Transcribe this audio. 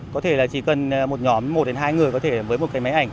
có thể là chỉ cần một nhóm một đến hai người có thể với một cái máy ảnh